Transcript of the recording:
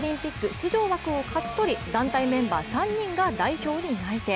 出場枠を勝ち取り団体メンバー３人が代表で内定。